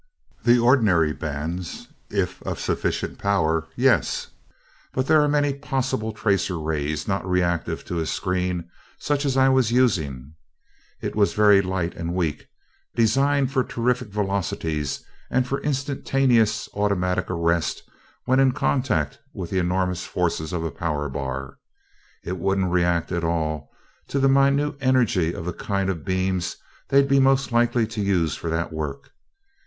"The ordinary bands, if of sufficient power, yes. But there are many possible tracer rays not reactive to a screen such as I was using. It was very light and weak, designed for terrific velocity and for instantaneous automatic arrest when in contact with the enormous forces of a power bar. It wouldn't react at all to the minute energy of the kind of beams they'd be most likely to use for that work.